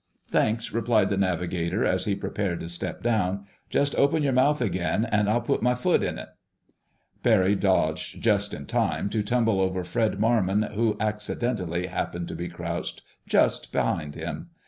"Thanks," replied the navigator, as he prepared to step down, "Just open your mouth again and I'll put my foot in it." Barry dodged, just in time to tumble over Fred Marmon who "accidentally" happened to be crouched just behind him.